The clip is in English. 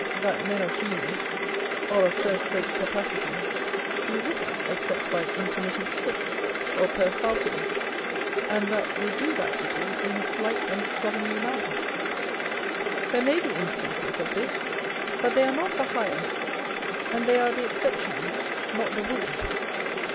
that men of genius, Or of first rate capacity, do little, except by intermittent fits, or per saltum â€" and that they do that little in a slight and slovenly manner. There may be instances of this ; but they are not the highest, and they are the exceptions, not the rule.